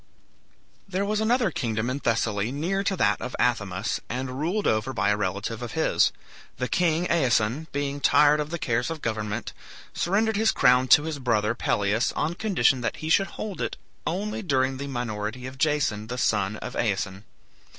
There was another kingdom in Thessaly near to that of Athamas, and ruled over by a relative of his. The king Aeson, being tired of the cares of government, surrendered his crown to his brother Pelias on condition that he should hold it only during the minority of Jason, the son of Aeson.